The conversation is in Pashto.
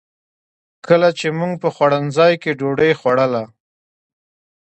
کله چې مو په خوړنځای کې ډوډۍ خوړله.